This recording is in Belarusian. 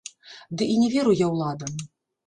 Ды і не веру я ўладам.